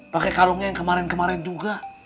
pake kalungnya yang kemarin kemarin juga